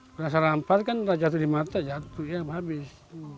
kena serampat kan udah jatuh di mata jatuh habis